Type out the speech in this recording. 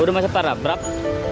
udah macet parah berapa